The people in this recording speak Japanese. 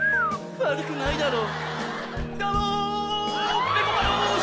悪くないだろう。